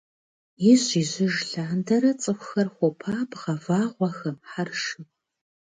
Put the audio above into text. Ижь-ижьыж лъандэрэ цӏыхухэр хуопабгъэ вагъуэхэм, хьэршым.